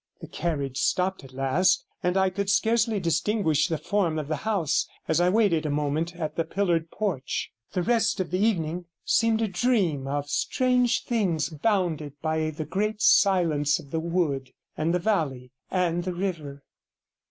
The carriage stopped at last, and I could scarcely distinguish the form of the house, as I waited a moment at the pillared porch. The rest of the evening seemed a dream of strange things bounded by the great silence of the wood and the valley and the river.